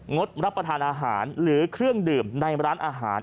ดรับประทานอาหารหรือเครื่องดื่มในร้านอาหาร